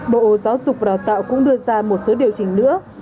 bộ giáo dục và đào tạo cũng đưa ra một số điều chỉnh nữa